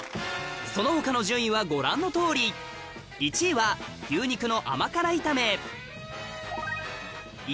その他の順位はご覧のとおり１位は☆牛肉の甘辛炒め☆